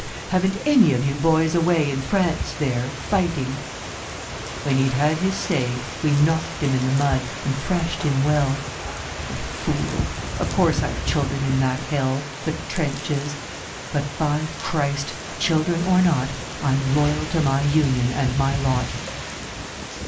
haven't any of you boys away In France there, fighting ?' When he'd had his say We knocked him in the mud and thrashed him well. The fool ! Of course I've children in that hell The trenches : but by Christ ! Children or not I'm loyal to my union and my lot.